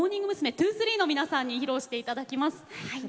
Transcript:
’２３の皆さんに披露していただきます。